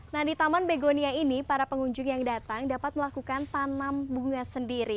nah di taman begonia ini para pengunjung yang datang dapat melakukan tanam bunga sendiri